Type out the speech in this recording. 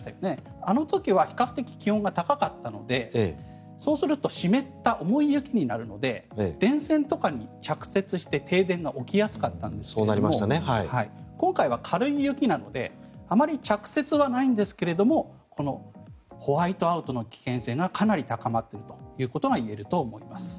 あの時は比較的気温が高かったのでそうすると湿った重い雪になるので電線とかに着雪して停電が起きやすかったんですが今回は軽い雪なのであまり着雪はないんですけどもホワイトアウトの危険性がかなり高まっているということが言えると思います。